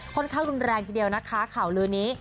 ค่อนข้างรุนแรงทีเดียวนะคะข่าวลือนี้